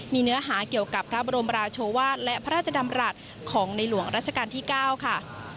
มีเนื้อหาเกี่ยวกับพระบรมราชวาสและพระราชดำรัฐของในหลวงราชการที่๙ค่ะ